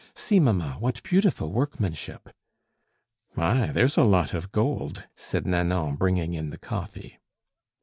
"See, mamma, what beautiful workmanship." "My! there's a lot of gold!" said Nanon, bringing in the coffee.